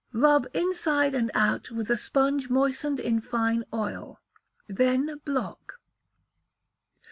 Rub inside and out with a sponge moistened in fine oil. Then block.